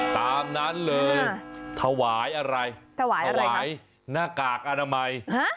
ตามนั้นเลยถวายอะไรถวายอะไรครับถวายหน้ากากอนามัยฮะ